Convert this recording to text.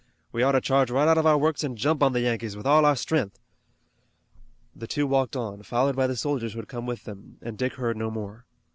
We ought to charge right out of our works an' jump on the Yankees with all our stren'th." The two walked on, followed by the soldiers who had come with them, and Dick heard no more.